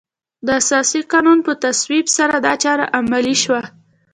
د اساسي قانون په تصویب سره دا چاره عملي شوه.